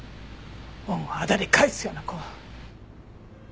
恩をあだで返すような子。